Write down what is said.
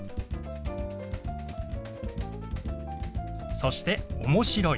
そして「面白い」。